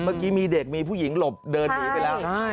เมื่อกี้มีเด็กมีผู้หญิงหลบเดินหนีไปแล้ว